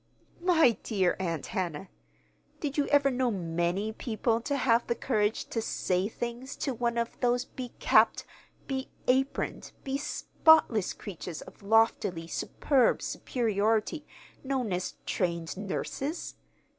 "My dear Aunt Hannah, did you ever know many people to have the courage to 'say things' to one of those becapped, beaproned, bespotless creatures of loftily superb superiority known as trained nurses?